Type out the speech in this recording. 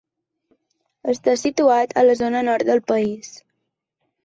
Està situat a la zona nord del país.